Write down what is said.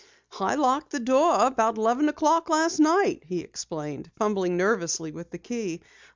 "I locked the door about eleven o'clock last night," he explained, fumbling nervously with the key.